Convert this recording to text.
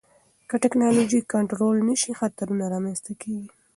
که ټکنالوژي کنټرول نشي، خطرونه رامنځته کېږي.